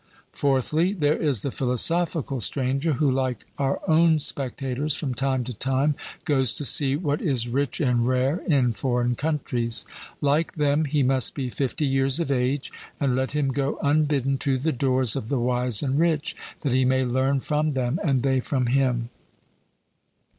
Fourthly, there is the philosophical stranger, who, like our own spectators, from time to time goes to see what is rich and rare in foreign countries. Like them he must be fifty years of age: and let him go unbidden to the doors of the wise and rich, that he may learn from them, and they from him.